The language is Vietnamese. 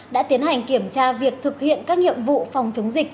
đã tiến hành kiểm tra việc thực hiện các nhiệm vụ phòng chống dịch